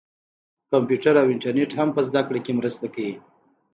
کمپیوټر او انټرنیټ هم په زده کړه کې مرسته کوي.